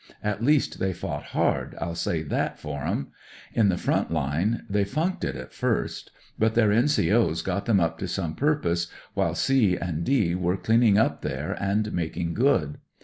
At least they fought hard, I'll say that for 'em. In the front line they funked it at first. But their N.C.O.'s got 'em up to some purpose, while *C' and *D' were cleaning up there and making good.